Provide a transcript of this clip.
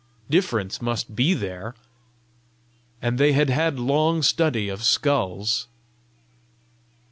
Difference must be there, and they had had long study of skulls!